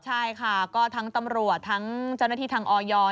ใช่ค่ะก็ทั้งตำรวจทั้งเจ้าหน้าที่ทางออย